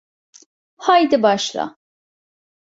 Haydi başla.